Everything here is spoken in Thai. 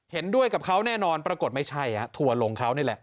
เห็นด้วยกับเขาแน่นอนปรากฏไม่ใช่ทัวร์ลงเขานี่แหละ